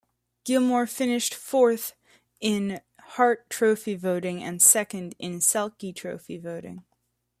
Gilmour finished fourth in Hart Trophy voting and second in Selke trophy voting.